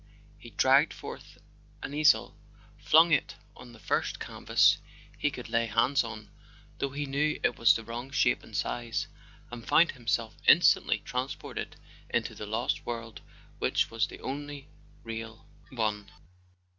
he dragged forth an easel, flung on it the first canvas he could lay hands on (though he knew it was the wrong shape and size), and found himself instantly transported into the lost world which was the only real one.